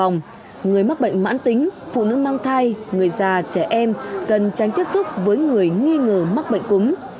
người mắc bệnh mãn tính phụ nữ mang thai người già trẻ em cần tránh tiếp xúc với người nghi ngờ mắc bệnh cúm